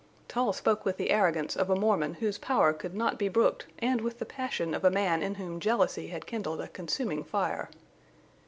Tull spoke with the arrogance of a Mormon whose power could not be brooked and with the passion of a man in whom jealousy had kindled a consuming fire.